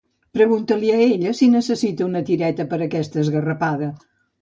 Pregunta-li a ella si necessita una tireta per a aquesta esgarrapada.